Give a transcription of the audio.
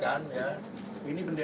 terus agak bingung